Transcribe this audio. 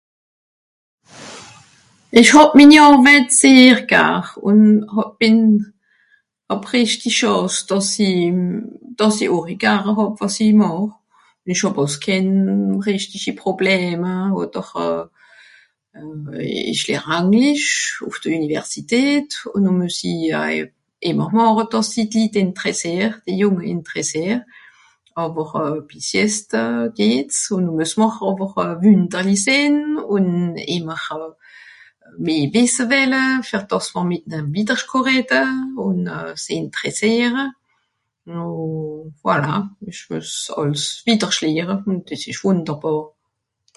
isch hàb minni àrweit sehr gar ùn hà bìn hàb rechti chànce dàss i dàss i ohri gare hàb wàs i màch ìsch hàb àls kenn rechtichi probleme oder euh esch lehr Anglish ùff de Universitéét ùn no muess i a ìmmer màche dàss i d'litt ìnteressier die jùnge ìnteressier àwer euh bis jetzt euh geht's ùn muess mr àwer wünderli sìn ùn ìmmer euh meh wìsse welle fer dàss mr mìt'ne widderscht kà rede ùn se ìnteressiere no voila ìsch meuss àls widersch lehre ùn des esch wùnderbàr